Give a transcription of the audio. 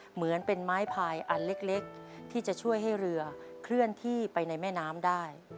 เหมือนเป็นไม้พายอันเล็กที่จะช่วยให้เรือเคลื่อนที่ไปในแม่น้ำได้